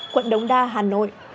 quận đống đa hà nội